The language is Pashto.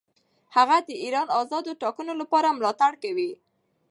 هغه د ایران آزادو ټاکنو لپاره ملاتړ کوي.